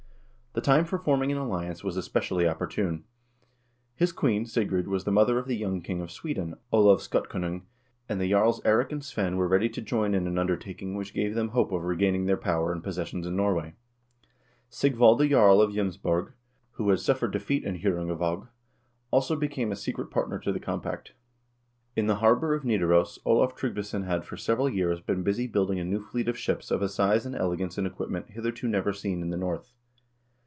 The time for forming an alliance was especially opportune. His queen, Sigrid, was the mother of the young king of Sweden, Olav Skotkonung, and the jarls Eirik and Svein were ready to join in an undertaking which gave them hope of regaining their power and pos sessions in Norway. Sigvalde Jarl of Jomsborg, who had suffered defeat in HJ0rungavaag, also became a secret partner to the compact. In the harbor of Nidaros Olav Tryggvason had for several years been busy building a new fleet of ships of a size and elegance in equipment hitherto never seen in the North.